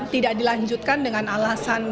tidak dilanjutkan dengan alasan